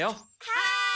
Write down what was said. はい！